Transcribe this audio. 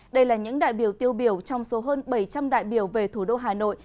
đây là những đại biểu tiêu biểu trong số hơn bảy trăm linh đại biểu về thủ đô hà nội